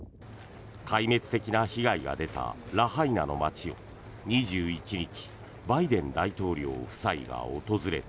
壊滅的な被害が出たラハイナの街を２１日バイデン大統領夫妻が訪れた。